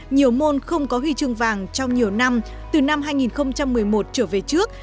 nhiều môn không có huy chương vàng trong nhiều năm từ năm hai nghìn một mươi một trở về trước